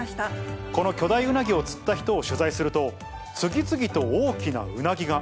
この巨大ウナギを釣った人を取材すると、次々と大きなウナギが。